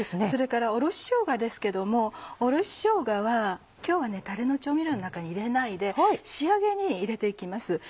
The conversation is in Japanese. それからおろししょうがですけどもおろししょうがは今日はタレの調味料の中に入れないで仕上げに入れて行きます。